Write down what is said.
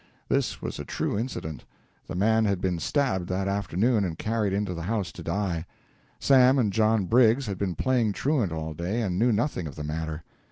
This was a true incident. The man had been stabbed that afternoon and carried into the house to die. Sam and John Briggs had been playing truant all day and knew nothing of the matter.